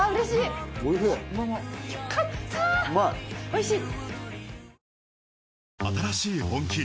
おいしい？